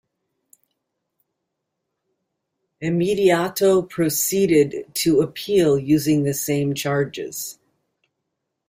Immediato proceeded to appeal using the same charges.